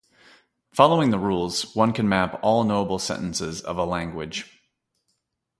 Following the rules, one can map all knowable sentences of a language.